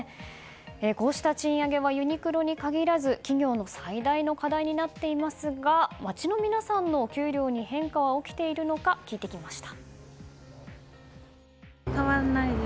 こうした賃上げはユニクロに限らず企業の最大の課題になっていますが街の皆さんのお給料に変化は起きているのか聞いてきました。